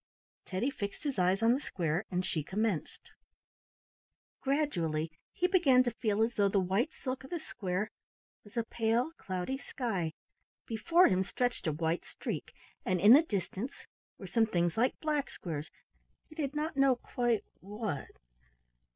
Teddy fixed his eyes on the square and she commenced. Gradually he began to feel as though the white silk of the square was a pale cloudy sky. Before him stretched a white streak, and in the distance were some things like black squares; he did not know quite what.